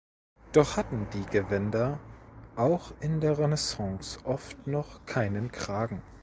Doch hatten die Gewänder auch in der Renaissance oft noch keinen Kragen.